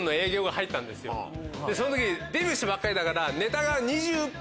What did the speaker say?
その時デビューしたばっかりだから。